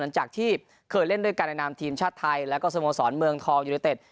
หลังจากที่เคยเล่นด้วยกันในนามทีมชาติไทยแล้วก็สโมสรเมืองทองยูเนเต็ด